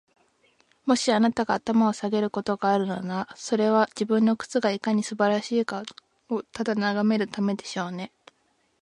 もし、あなたが頭を下げることがあるのなら、それは、自分の靴がいかに素晴らしいかをただ眺めるためでしょうね。